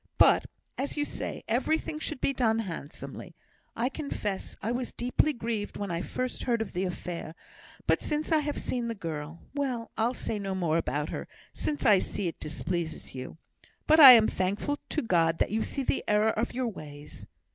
But, as you say, everything should be done handsomely. I confess I was deeply grieved when I first heard of the affair, but since I have seen the girl Well! I'll say no more about her, since I see it displeases you; but I am thankful to God that you see the error of your ways."